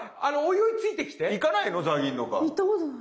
行ったことない。